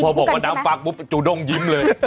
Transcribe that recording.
พอบอกว่าน้ำฟักปุ๊บจูด้งยิ้มเลย